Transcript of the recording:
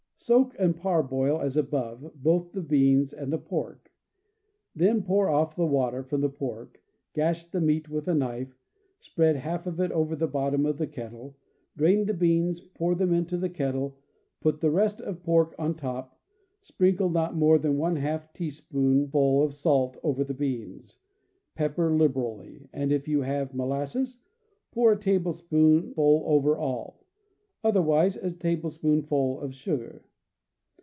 — Soak and parboil, as above, both the beans and the pork. Then pour off the water from the pork, gash the meat with a knife, spread half of it 156 CAMPING AND WOODCRAFT over the bottom of the kettle, drain the beans, pour them into the kettle, put the rest of pork on top, sprinkle not more than ^ teaspoonful of salt over the beans, pepper liberally, and if you have molasses, pour a tablespoon ful over all; otherwise a tablespoonful of sugar.